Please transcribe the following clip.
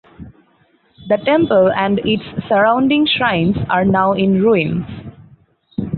The temple and its surrounding shrines are now in ruins.